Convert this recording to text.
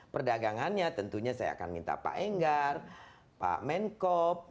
perdagangannya tentunya saya akan minta pak enggar pak menko